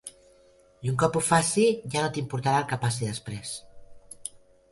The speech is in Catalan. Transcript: I, un cop ho faci, ja no t'importarà el que passi després.